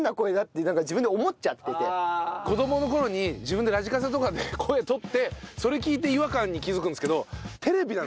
それで子供の頃に自分でラジカセとかで声とってそれ聴いて違和感に気づくんですけど。